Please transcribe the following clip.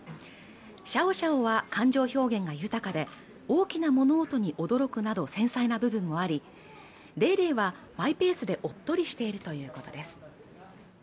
シャオシャオは感情表現が豊かで大きな物音に驚くなど繊細な部分もありレイレイはマイペースでおっとりしているということです